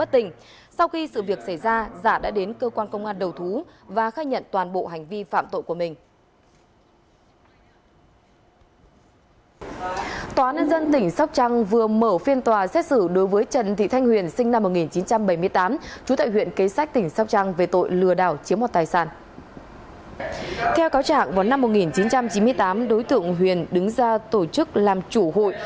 theo cáo trạng vào năm một nghìn chín trăm chín mươi tám đối tượng huyền đứng ra tổ chức làm chủ hội